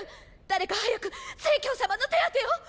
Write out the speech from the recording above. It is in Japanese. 誰か早く成様の手当てをっ！